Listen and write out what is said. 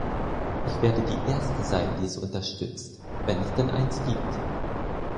Ich werde die erste sein, die es unterstützt, wenn es denn eins gibt.